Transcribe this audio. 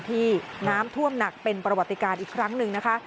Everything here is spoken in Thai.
ที่น้ำท่วมหนักเป็นประวัติการอีกครั้งหนึ่งนะคะ